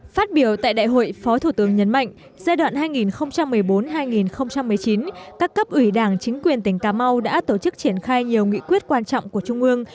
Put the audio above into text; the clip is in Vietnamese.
phát biểu tại đại hội phó thủ tướng nhấn mạnh giai đoạn hai nghìn một mươi bốn hai nghìn một mươi chín các cấp ủy đảng chính quyền tỉnh cà mau đã tổ chức triển khai nhiều nghị quyết quan trọng của trung ương